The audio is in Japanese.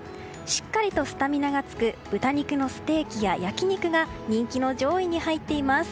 しっかりとスタミナがつく豚肉のステーキや焼き肉が人気の上位に入っています。